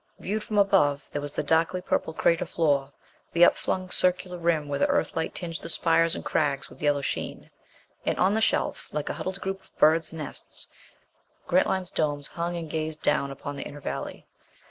Viewed from above there was the darkly purple crater floor, the upflung circular rim where the Earthlight tinged the spires and crags with yellow sheen; and on the shelf, like a huddled group of birds' nests, Grantline's domes hung and gazed down upon the inner valley.